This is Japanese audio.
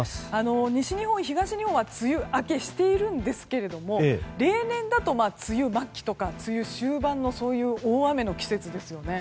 西日本、東日本は梅雨明けしているんですが例年だと梅雨末期とか梅雨終盤のそういう大雨の季節ですよね。